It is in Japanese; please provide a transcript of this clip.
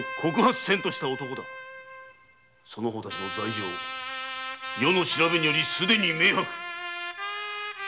その方たちの罪状余の調べによりすでに明白。